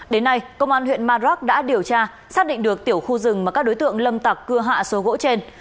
đến nay công an huyện madrak đã điều tra xác định được tiểu khu rừng mà các đối tượng lâm tặc cưa hạ số gỗ trên